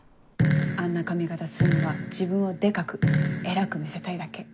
あんな髪形すんのは自分をデカく偉く見せたいだけ。